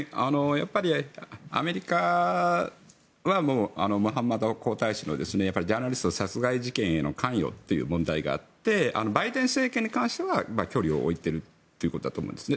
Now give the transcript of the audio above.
アメリカはムハンマド皇太子のジャーナリスト殺害事件への関与という問題があってバイデン政権に関しては距離を置いているということだと思うんです。